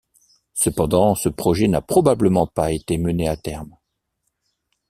Cependant ce projet n'a probablement pas été mené à terme.